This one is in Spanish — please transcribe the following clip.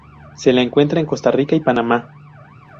Se la encuentra en Costa Rica y Panamá.